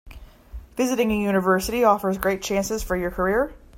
Visiting a university offers great chances for your career.